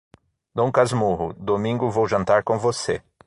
Dom Casmurro, domingo vou jantar com você.